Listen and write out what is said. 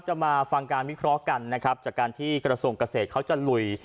มาฟังการวิเคราะห์กันนะครับจากการที่กระทรวงเกษตรเขาจะลุย